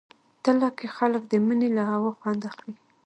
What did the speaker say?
تله کې خلک د مني له هوا خوند اخلي.